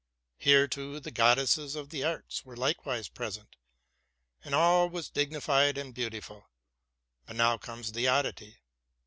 Here, too, the goddesses of the arts were likewise present; and all was dig nified and beautiful. But now comes the oddity!